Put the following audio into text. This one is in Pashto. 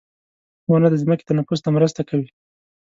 • ونه د ځمکې تنفس ته مرسته کوي.